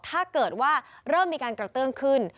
ถ้าเกิดว่าเริ่มมีการกระเตื้องขึ้น